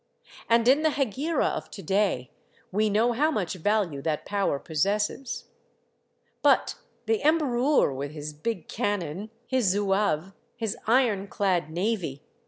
And in the Hegira of to day, we know how much value that power possesses. But the Emberoiir, with his big cannon, his zouaves, his iron clad navy !